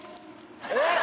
えっ？